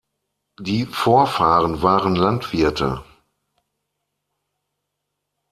Die Vorfahren waren Landwirte.